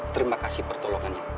terima kasih pertolongannya